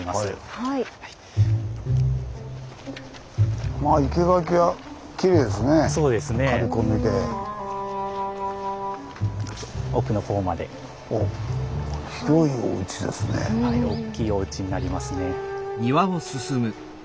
はいおっきいおうちになりますね。